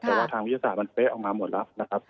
แต่ว่าทางวิทยาศาสตร์มันเป๊ะออกมาหมดแล้วนะครับ